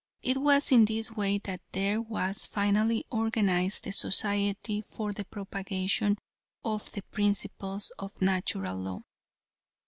It was in this way that there was finally organized the society for the propagation of the principles of Natural Law.